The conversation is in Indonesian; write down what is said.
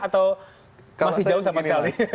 atau masih jauh sama sekali